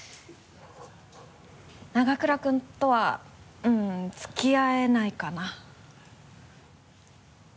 永倉君とは付き合えないかな。